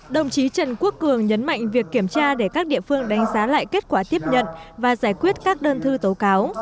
đồng chí trần quốc cường nhấn mạnh việc kiểm tra để các địa phương đánh giá lại kết quả tiếp nhận và giải quyết các đơn thư tố cáo